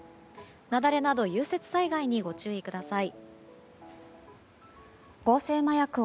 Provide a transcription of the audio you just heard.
雪崩など、融雪災害にご注意ください。